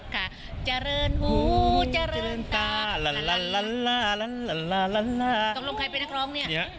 ค่ะจริง